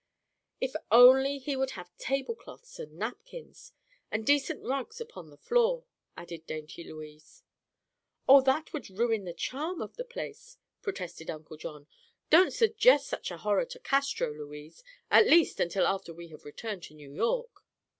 "If only he would have tablecloths and napkins, and decent rugs upon the floor," added dainty Louise. "Oh, that would ruin the charm of the place," protested Uncle John. "Don't suggest such a horror to Castro, Louise; at least until after we have returned to New York."